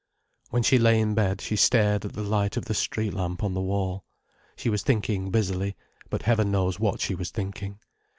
When she lay in bed, she stared at the light of the street lamp on the wall. She was thinking busily: but heaven knows what she was thinking.